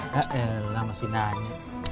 ya elah masih nanya